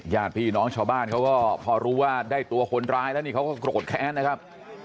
ญาติพี่น้องชาวบ้านเขาก็พอรู้ว่าได้ตัวคนร้ายแล้วนี่เขาก็โกรธแค้นนะครับ